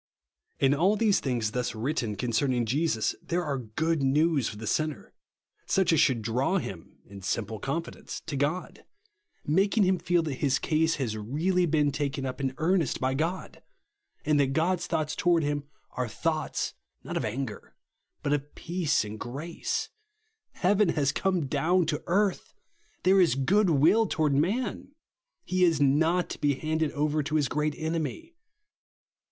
In all these things thus written con cerning Jesus, there are good news for the sinner; such as should draw him, in simple OF THE SUBSTITUTE. 67 confiilence, to God ; making him feel that his case has really been taken up in ear nest by God ; and that God's thoughts tov/ard him are thouo^hts, not of ancrer, but of peace and grace. Heaven has come down to earth ! There is goodwill toward man. He is not to be handed over to his great enemy.